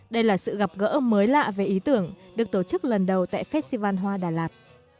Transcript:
đây là sự gặp gỡ mới lạ về ý tưởng được tổ chức lần đầu tại festival hoa đà lạt